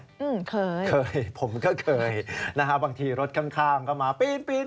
อืมเคยเคยผมก็เคยนะฮะบางทีรถข้างข้างก็มาปีนปีน